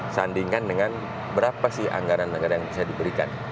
sandingkan dengan berapa sih anggaran anggaran yang bisa diberikan